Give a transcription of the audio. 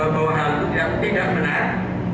bahwa hal itu yang tidak benar